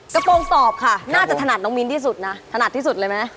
กระโปรงสอบค่ะน่าจะถนัดน้องมิ้นที่สุดนะถนัดที่สุดเลยไหม